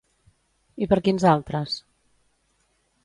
I per quins altres?